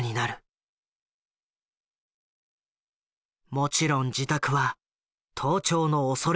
もちろん自宅は盗聴のおそれがある。